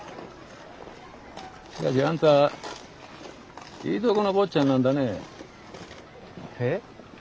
しかしあんたいいとこの坊っちゃんなんだね。